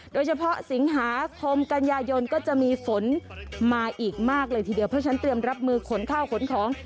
โดยเฉพาะสิงหาคมกันยายนก็จะมีฝนมาอีกมากเลยทีเดียวเพราะฉะนั้นเตรียมรับมือขนข้าวขนของ